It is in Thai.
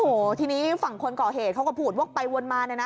โอ้โหทีนี้ฝั่งคนก่อเหตุเขาก็พูดวกไปวนมาเนี่ยนะ